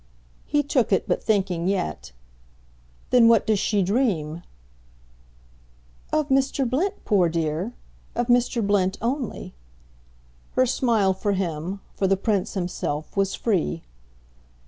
He took it, but thinking yet. "Then what does she dream ?" "Of Mr. Blint, poor dear; of Mr. Blint only." Her smile for him for the Prince himself was free.